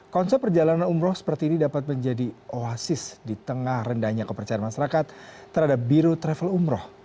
konsep perjalanan umroh seperti ini dapat menjadi oasis di tengah rendahnya kepercayaan masyarakat terhadap biro travel umroh